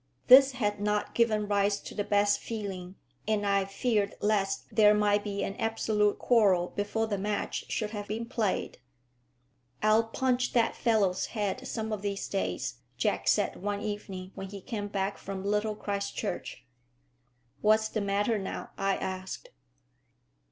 This had not given rise to the best feeling, and I feared lest there might be an absolute quarrel before the match should have been played. "I'll punch that fellow's head some of these days," Jack said one evening when he came back from Little Christchurch. "What's the matter now?" I asked.